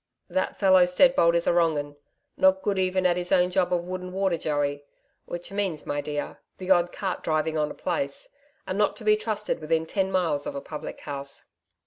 'That fellow Steadbolt is a wrong 'un not good even at his own job of wood and water joey which means, my dear, the odd cart driving on a place and not to be trusted within ten miles of a public house.'